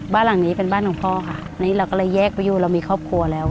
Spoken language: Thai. บ้านหลังนี้เป็นบ้านของพ่อค่ะนี่เราก็เลยแยกไปอยู่เรามีครอบครัวแล้ว